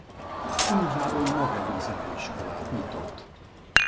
Ungváron magán zeneiskolát nyitott.